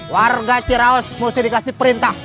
warga cirawas mesti dikasih perintah